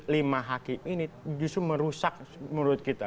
lima hakim ini justru merusak menurut kita